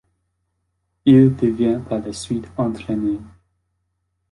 Il devient par la suite entraîneur.